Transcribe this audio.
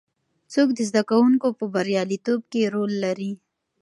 څوک د زده کوونکو په بریالیتوب کې رول لري؟